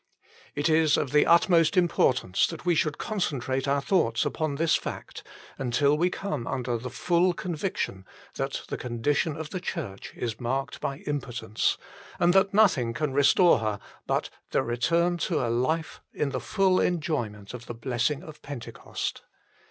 It is of the utmost importance that we should concentrate our thoughts upon this fact, until we come under the full conviction that the condition of the Church is marked by impotence, and that nothing can restore her but the return to a life in the full enjoyment of the blessing of Pentecost.